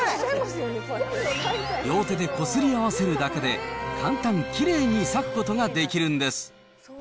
両手でこすり合わせるだけで、簡単きれいに割くことができるんです。